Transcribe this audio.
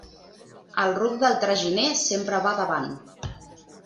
El ruc del traginer sempre va davant.